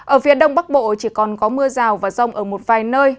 ở phía đông bắc bộ chỉ còn có mưa rào và rông ở một vài nơi